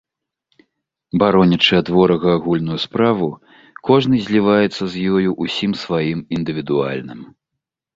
Баронячы ад ворага агульную справу, кожны зліваецца з ёю ўсім сваім індывідуальным.